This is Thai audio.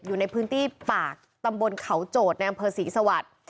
อยู่ในพื้นที่ปากตำบลเขาโจทย์ในอำเภอศรีสวรรค์